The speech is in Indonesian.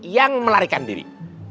yang melarikan diri